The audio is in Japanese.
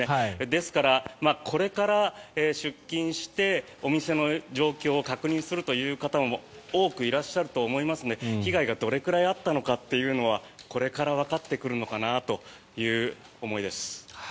ですから、これから出勤してお店の状況を確認するという方も多くいらっしゃると思いますので被害がどれくらいあったのかというのはこれからわかってくるのかなという思いです。